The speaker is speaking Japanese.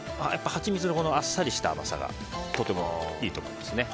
ハチミツのあっさりした甘さがとてもいいと思いますね。